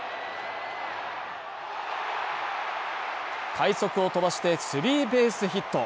快足を飛ばしてスリーベースヒット。